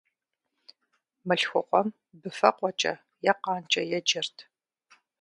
Мылъхукъуэм быфэкъуэкӏэ, е къанкӀэ еджэрт.